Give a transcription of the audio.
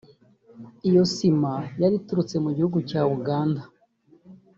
Iyo sima yari iturutse mu gihugu cya Uganda